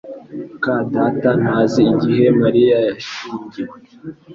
muka data ntazi igihe Mariya yashyingiwe